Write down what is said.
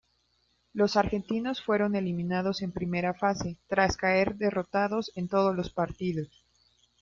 Los argentinos fueron eliminados en primera fase, tras caer derrotados en todos los partidos.